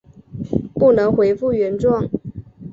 不能回复原状